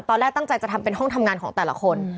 ตอนแรกตั้งใจจะทำเป็นห้องทำงานของแต่ละคน